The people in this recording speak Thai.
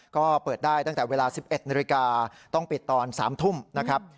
ก็เปิดได้ตั้งแต่เวลา๑๑นาฬิกาต้องปิดตอน๓ทุ่มนะครับ